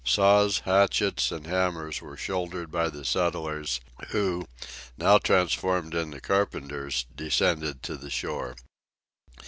Saws, hatchets, and hammers were shouldered by the settlers, who, now transformed into carpenters, descended to the shore.